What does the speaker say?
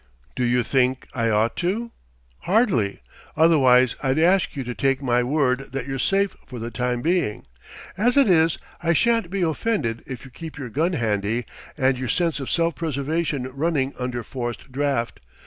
"Do you think I ought to?" "Hardly. Otherwise I'd ask you to take my word that you're safe for the time being. As it is, I shan't be offended if you keep your gun handy and your sense of self preservation running under forced draught.